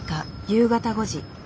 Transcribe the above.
夕方５時。